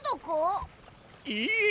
いいえ